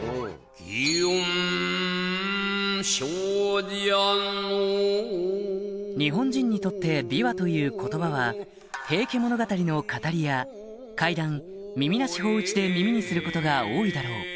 祇園精舎の日本人にとって「琵琶」という言葉は『平家物語』の語りや怪談『耳なし芳一』で耳にすることが多いだろう